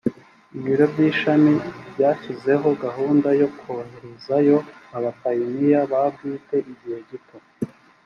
ibiro by’ishami byashyizeho gahunda yo koherezayo abapayiniya ba bwite igihe gito